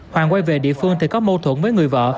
hoàng quay về địa phương thì có mâu thuẫn với người vợ